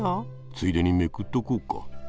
ついでにめくっとこうか。